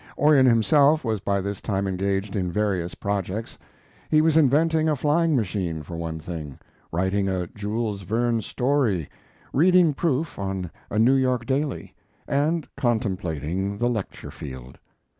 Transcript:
Orion himself was by this time engaged in various projects. He was inventing a flying machine, for one thing, writing a Jules Verne story, reading proof on a New York daily, and contemplating the lecture field.